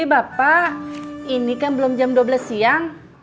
bapak ini kan belum jam dua belas siang